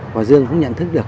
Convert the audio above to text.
hòa dương không nhận thức được